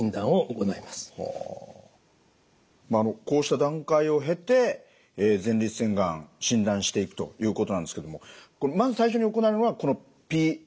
こうした段階を経て前立腺がん診断していくということなんですけどもまず最初に行われるのはこのＰＳＡ検査ですね。